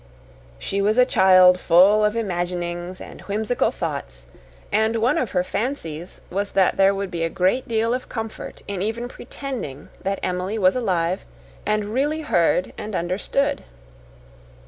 She was a child full of imaginings and whimsical thoughts, and one of her fancies was that there would be a great deal of comfort in even pretending that Emily was alive and really heard and understood.